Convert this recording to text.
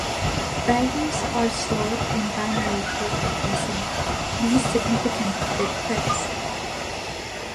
Values are stored in binary-coded decimal, least significant bit first.